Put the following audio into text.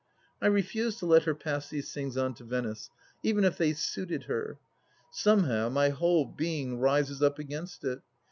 I refuse to let her pass these things on to Venice, even if they suited her. Somehow my whole being rises up against it.